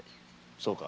そうか。